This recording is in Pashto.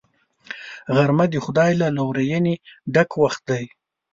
غرمه د خدای له لورینې ډک وخت دی